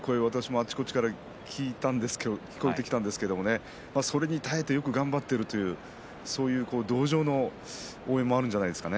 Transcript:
あちこちから聞いたんですけどそれに耐えてよく頑張っているというそういう同情の応援もあるんじゃないですかね。